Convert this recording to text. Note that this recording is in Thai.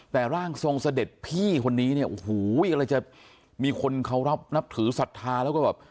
แต่ร่างทรงเสด็จพี่คนนี้เนี่ยโอ้โหอะไรจะมีคนเขารับนับถือศรัทธาแล้วก็แบบ